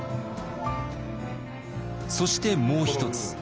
そしてもう一つ。